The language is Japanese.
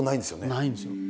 ないんですよ。